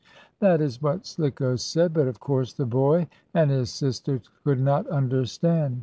That is what Slicko said, but of course the boy and his sisters could not understand.